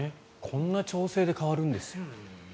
こんな調整で変わるんですよ。